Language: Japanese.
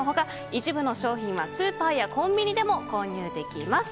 一部の商品はスーパーやコンビニでも購入できます。